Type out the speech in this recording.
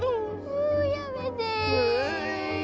もうやめて！